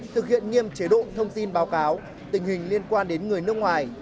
thực hiện nghiêm chế độ thông tin báo cáo tình hình liên quan đến người nước ngoài